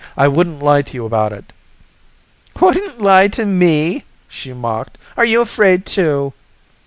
I wouldn't lie to you about it." "Wouldn't lie to me!" she mocked. "Are you afraid, too?"